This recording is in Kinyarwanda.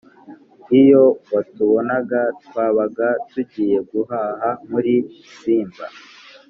iyo watubonaga twabaga tugiye guhaha muri simba,